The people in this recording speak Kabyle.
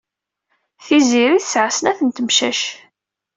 Tiziri tesɛa snat n temcac.